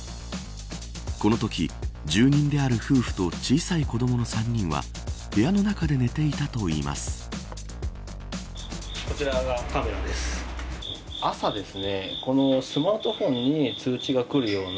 このとき、住民である夫婦と小さい子どもの３人は部屋の中で寝ていたといいます。